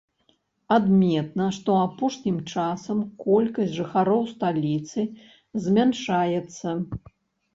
Адметна, што апошнім часам колькасць жыхароў сталіцы змяншаецца.